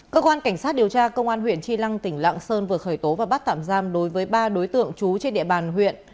cơ quan cảnh sát điều tra công an huyện tri lăng tỉnh lạng sơn vừa khởi tố và bắt tạm giam đối với ba đối tượng trú trên địa bàn huyện